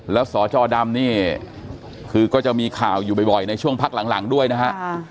แล้วสจดำนี่คือก็จะมีข่าวอยู่บ่อยในช่วงพักหลังด้วยนะฮะ